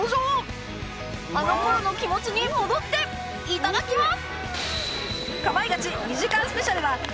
あの頃の気持ちに戻っていただきます！